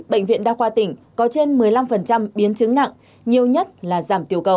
bệnh viện đa khoa tỉnh có trên một mươi năm biến chứng nặng nhiều nhất là giảm tiểu cầu